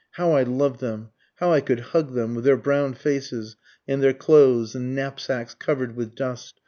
How I love them! how I could hug them, with their brown faces and their clothes and knapsacks cover'd with dust!)